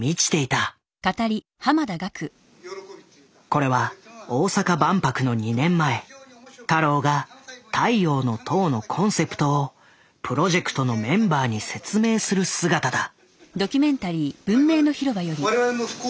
これは大阪万博の２年前太郎が「太陽の塔」のコンセプトをプロジェクトのメンバーに説明する姿だ。